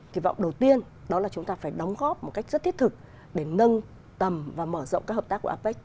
kỳ vọng đầu tiên đó là chúng ta phải đóng góp một cách rất thiết thực để nâng tầm và mở rộng các hợp tác của apec